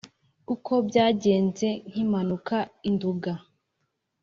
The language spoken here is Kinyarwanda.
uko byagenze nkimanuka i nduga